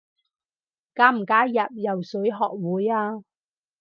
加唔加入游水學會啊？